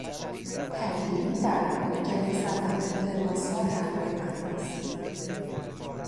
پری در حال گره زدن به لباسها در روی بند است.